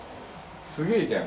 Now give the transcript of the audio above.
すげえじゃん。